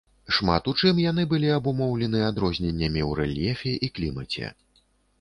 Шмат у чым яны былі абумоўлены адрозненнямі ў рэльефе і клімаце.